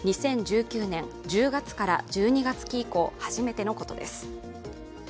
２０１９年１０月から１２月期以降初めてのことです。